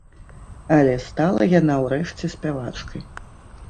Але стала яна ўрэшце спявачкай.